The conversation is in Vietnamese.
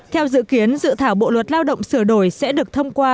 theo dự kiến dự thảo bộ luật lao động sửa đổi sẽ được thông qua